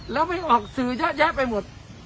แล้วไม่ออกสื่อเยอะแยะไปหมด